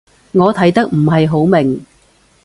我睇得唔係好明